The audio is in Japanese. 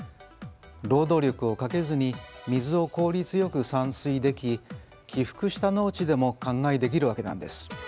労働力をかけずに水を効率よく散水でき起伏した農地でも灌漑できるわけなんです。